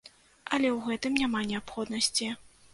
Але ў гэтым няма неабходнасці.